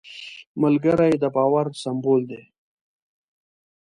ملګری د باور سمبول دی